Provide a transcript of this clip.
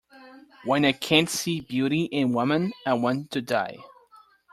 When I can't see beauty in woman I want to die.